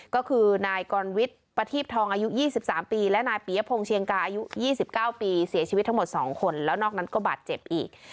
ก็คือนายกรณวิทย์ประทีบทองอายุยี่สิบสามปีและนายปียพงศ์เชียงกาอายุยี่สิบเก้าปีเสียชีวิตทั้งหมดสองคนแล้วนอกนั้นก็บัตรเจ็บอีก